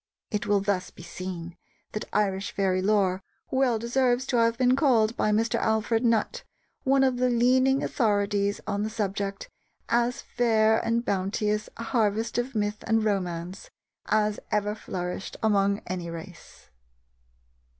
It will thus be seen that Irish Fairy Lore well deserves to have been called by Mr. Alfred Nutt, one of the leading authorities on the subject, "as fair and bounteous a harvest of myth and romance as ever flourished among any race."